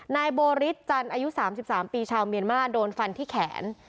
นายโบริสจันทร์อายุ๓๓ปีชาวเมียนมาโดนฟันที่แขน